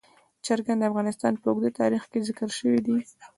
چرګان د افغانستان په اوږده تاریخ کې ذکر شوي دي.